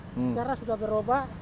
sekarang sudah berubah